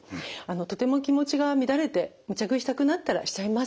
とても気持ちが乱れてむちゃ食いしたくなったらしちゃいます。